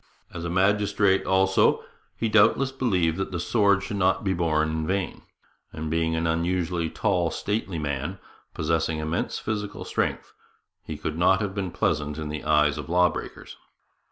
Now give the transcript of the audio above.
As a magistrate, also, he doubtless believed that the sword should not be borne in vain; and being an unusually tall, stately man, possessing immense physical strength, he could not have been pleasant in the eyes of law breakers.